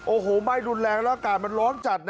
โอ้โหไหม้รุนแรงแล้วอากาศมันร้อนจัดนะ